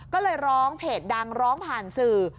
ก็เลยร้องเพจดังร้องผ่านสื่อ